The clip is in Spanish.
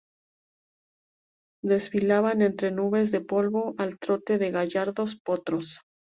desfilaban entre nubes de polvo, al trote de gallardos potros